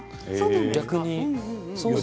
逆に。